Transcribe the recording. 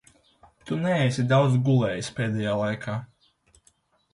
Tu neesi daudz gulējis pēdējā laikā.